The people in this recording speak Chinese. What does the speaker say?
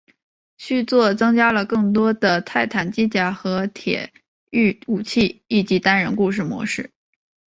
续作增加了更多的泰坦机甲和铁驭武器以及单人故事模式。